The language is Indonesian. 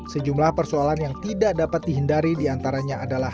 sejumlah persoalan yang tidak dapat dihindari diantaranya adalah